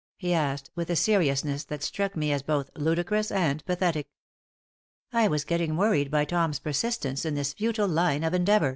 he asked, with a seriousness that struck me as both ludicrous and pathetic. I was getting worried by Tom's persistence in this futile line of endeavor.